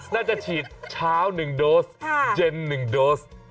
น่าจะฉีดเช้า๑โดสเย็น๑โดส